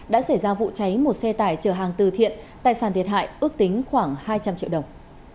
đã xảy ra vụ cháy một xe tải chở hàng từ thiện tài sản thiệt hại ước tính khoảng hai trăm linh triệu đồng